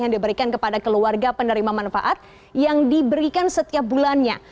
yang diberikan kepada keluarga penerima manfaat yang diberikan setiap bulannya